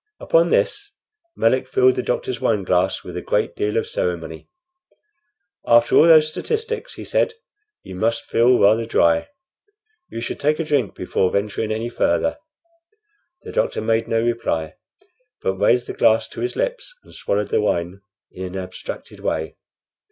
Upon this Melick filled the doctor's wine glass with a great deal of ceremony. "After all those statistics," he said, "you must feel rather dry. You should take a drink before venturing any further." The doctor made no reply, but raised the glass to his lips and swallowed the wine in an abstracted way.